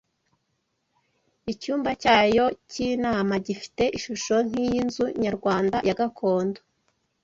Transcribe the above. icyumba cyayo k’inama gifite ishusho nk’iy’inzu nyarwanda ya gakondo